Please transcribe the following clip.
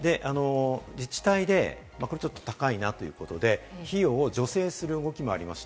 自治体で高いなということで、費用を助成する動きもあります。